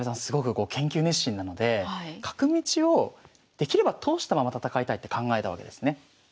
すごく研究熱心なので角道をできれば通したまま戦いたいって考えたわけですね。